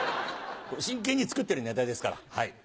真剣に作ってるネタですから。